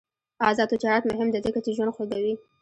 آزاد تجارت مهم دی ځکه چې ژوند خوږوي.